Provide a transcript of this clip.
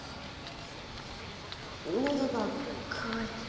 喉が渇いて。